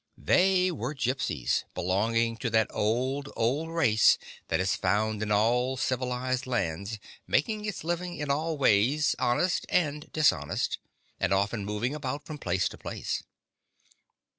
They were Gypsies, belong ing to that old, old race that is found in all civilized lands, making its living in all ways, 18 WITH THE FRENCH SHOWMAN honest and dishonest, and often moving about from place to place.